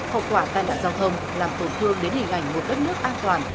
hậu quả tai nạn giao thông làm tổn thương đến hình ảnh một đất nước an toàn